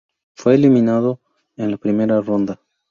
Fue eliminado en la primera ronda.